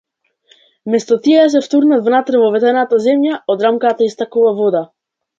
Место тие да се втурнат внатре во ветената земја, од рамката истекува вода.